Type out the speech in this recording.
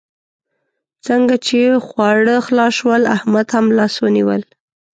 څنګه چې خواړه خلاص شول؛ احمد هم لاس ونيول.